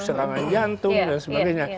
serangan jantung dan sebagainya